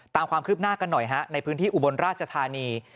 ตามความคืบหน้ากันหน่อยฮะในพื้นที่อุบลราชธานี